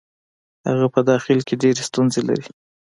هغه په داخل کې ډېرې ستونزې لري.